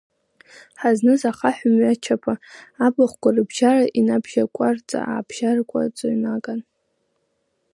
Ҳазныз ахаҳә мҩачаԥа, абахәқәа рыбжьара инабжьакәараҵа-аабжьакәараҵо инаган.